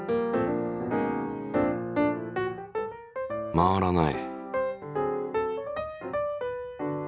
回らない。